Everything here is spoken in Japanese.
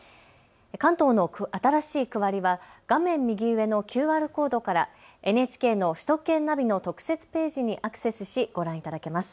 関東の新しい区割りは画面右上のＱＲコードからＮＨＫの首都圏ナビの特設ページにアクセスしご覧いただけます。